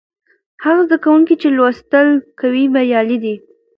هغه زده کوونکي چې لوستل کوي بریالي دي.